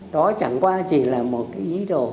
đó chẳng qua chỉ là một cái ý đồ